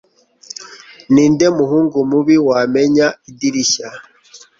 Ninde muhungu mubi wamennye idirishya